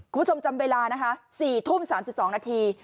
คุณผู้ชมจำเวลานะคะ๔ทุ่ม๓๒นาที